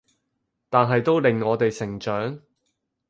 但係都令我哋成長